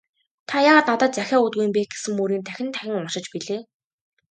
"Та яагаад надад захиа өгдөггүй юм бэ» гэсэн мөрийг нь дахин дахин уншиж билээ.